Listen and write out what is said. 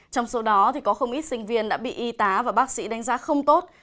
trong số đó có không ít sinh viên đã bị y tá và bác sĩ đánh giá không tốt